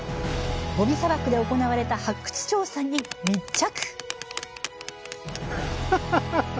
ゴビ砂漠で行われた発掘調査に密着。